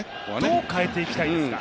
どう変えていきたいですか？